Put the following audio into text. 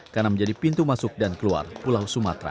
karena menjadi pintu masuk dan keluar pulau sumatera